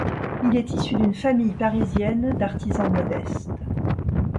Il est issu d’une famille parisienne d’artisans modestes.